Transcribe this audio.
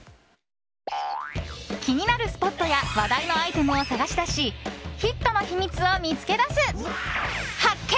気になるスポットや話題のアイテムを探し出しヒットの秘密を見つけ出す発見！